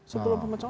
sebelum pemecah ombak